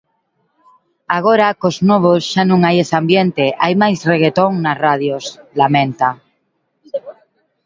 "Agora cos novos xa non hai ese ambiente, hai máis reguetón nas radios...", lamenta.